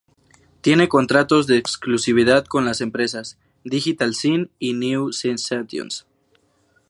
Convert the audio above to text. Tiene contratos de exclusividad con las empresas, Digital Sin y New Sensations.